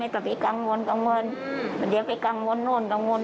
ข้างบนข้างเมืองเดี๋ยวไปข้างบนโน่นข้างบน